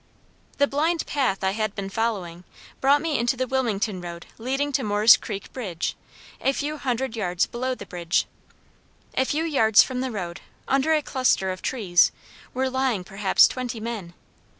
"The blind path I had been following, brought me into the Wilmington road leading to Moore's creek bridge, a few hundred yards below the bridge. A few yards from the road, under a cluster of trees, were lying perhaps twenty men.